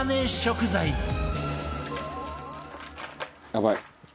「やばい」